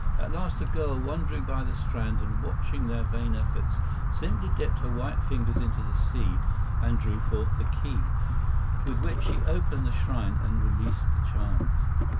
At last a girl, wandering by the strand and watching their vain efforts, simply dipped her white fingers into the sea and drew forth the key, with which she opened the shrine and released the charms.